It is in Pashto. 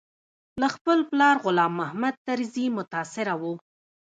له خپل پلار غلام محمد طرزي متاثره و.